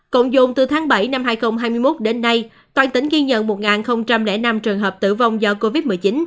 cộng dồn từ tháng bảy năm hai nghìn hai mươi một đến nay toàn tỉnh ghi nhận một năm trường hợp tử vong do covid một mươi chín